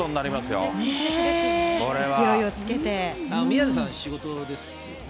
宮根さん、仕事ですよね。